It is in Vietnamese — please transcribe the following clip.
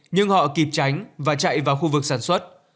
nhưng họ kịp tránh và chạy vào khu vực sản xuất